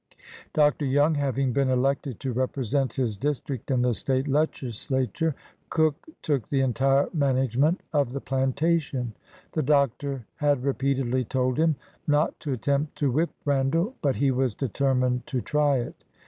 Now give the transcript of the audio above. Doctor Young having been elected to represent his district in the State Legislature. Cook took the entire management of the plantation. The Doctor had re peatedly told him not to attempt to whip Randall, but he was determined to try it.